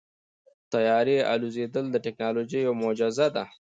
د طیارې الوزېدل د تیکنالوژۍ یوه معجزه ده.